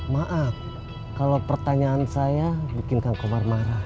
maaf kalau pertanyaan saya bikin kang komar marah